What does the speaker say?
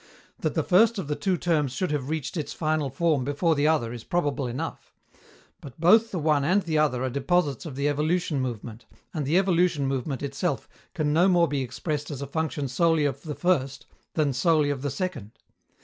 That the first of the two terms should have reached its final form before the other is probable enough; but both the one and the other are deposits of the evolution movement, and the evolution movement itself can no more be expressed as a function solely of the first than solely of the second.